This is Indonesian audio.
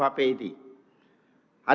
hadirin yang diperlukan